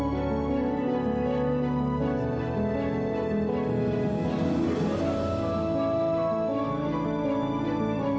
terima kasih ya bu